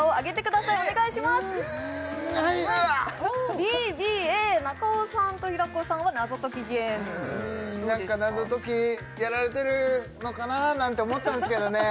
ＢＢＡ中尾さんと平子さんは謎解きゲームなんか謎解きやられてるのかななんて思ったんですけどね